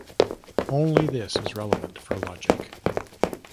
Only this is relevant for logic.